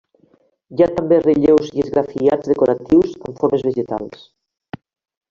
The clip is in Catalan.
Hi ha també relleus i esgrafiats decoratius, amb formes vegetals.